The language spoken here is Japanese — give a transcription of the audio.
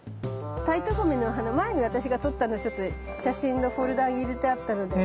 タイトゴメの花前に私が撮ったのをちょっと写真のフォルダに入れてあったので。